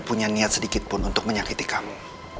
punya niat sedikitpun untuk menyakiti kamu